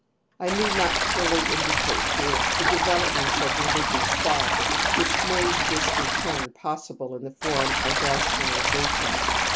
I need not fully indicate here the developments of religious thought which made this return pos sible in the form of rationalizations.